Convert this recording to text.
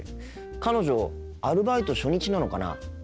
彼女アルバイト初日なのかな。